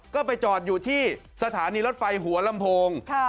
ก็ไปจอดอยู่ที่สถานีรถไฟหัวลำโพง